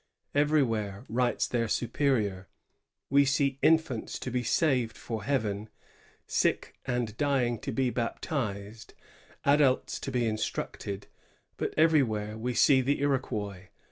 *' Everywhere,'* writes their superior, we see infants to be saved for heaven, sick and dying to be baptized, adults to be instructed; but everywhere we see the Iroquois.